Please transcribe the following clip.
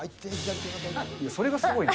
それがすごいな。